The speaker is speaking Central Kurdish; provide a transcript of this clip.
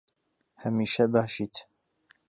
هەمیشە باشیت.